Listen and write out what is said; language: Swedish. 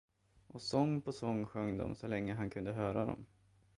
Och sång på sång sjöng de, så länge som han kunde höra dem.